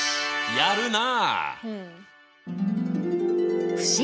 やるな。